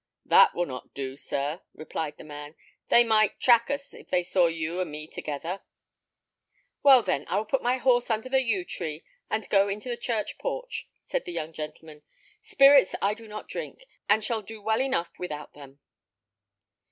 "That will not do, sir," replied the man; "they might track us, if they saw you and me together." "Well, then, I will put my horse under the yew tree and go into the church porch," said the young gentleman; "spirits I do not drink, and shall do well enough without them."